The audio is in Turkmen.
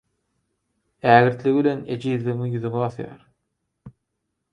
Ägirtligi bilen ejizligiňi ýüzüňe basýar.